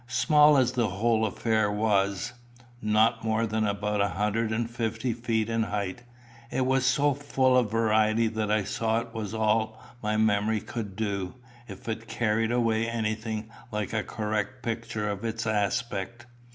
Small as the whole affair was not more than about a hundred and fifty feet in height it was so full of variety that I saw it was all my memory could do, if it carried away anything like a correct picture of its aspect.